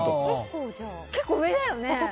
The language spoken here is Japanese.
結構、上だよね？